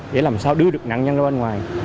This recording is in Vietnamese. để làm sao đưa được nạn nhân ra bên ngoài